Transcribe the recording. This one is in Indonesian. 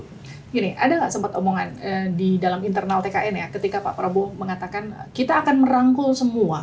begini ada nggak sempat omongan di dalam internal tkn ya ketika pak prabowo mengatakan kita akan merangkul semua